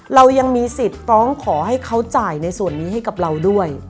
เรายังมีสิทธิ์ฟ้องขอให้เขาจ่ายในส่วนนี้ให้กับเราด้วย